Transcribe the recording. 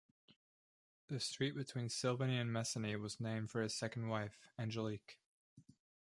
The street between Sylvanie and Messanie was named for his second wife, Angelique.